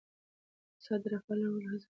اقتصاد د رفاه لوړولو هڅه کوي.